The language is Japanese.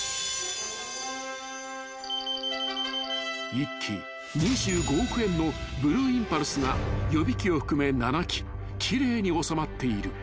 ［一機２５億円のブルーインパルスが予備機を含め７機奇麗に収まっている］